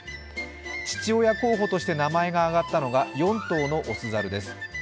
父親候補として名前が挙がったのは４頭の雄ザルです。